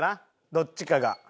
どっちかが。